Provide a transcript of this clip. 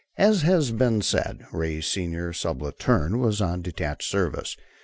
] As has been said, Ray's senior subaltern was on detached service.